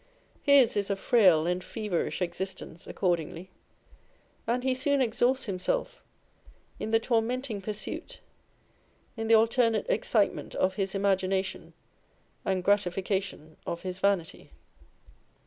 His is a frail and feverish existence accordingly, and he soon exhausts him self in the tormenting pursuit â€" in the alternate excite ment of his imagination and gratification of his vanity.